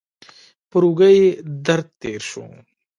پر اوږه یې درد تېر شو.